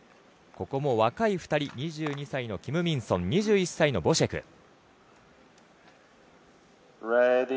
ここも若い２人２２歳のキム・ミンソン２１歳のボシェク。